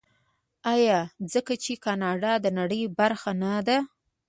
آیا ځکه چې کاناډا د نړۍ برخه نه ده؟